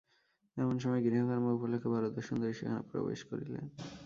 এমন সময় গৃহকর্ম-উপলক্ষে বরদাসুন্দরী সেখানে প্রবেশ করিলেন।